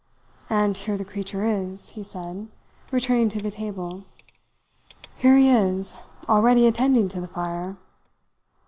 "And here the creature is," he said, returning to the table. "Here he is, already attending to the fire.